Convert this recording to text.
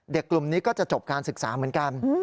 กลุ่มนี้ก็จะจบการศึกษาเหมือนกัน